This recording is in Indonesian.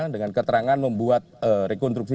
dengan keterangan membuat rekonstruksi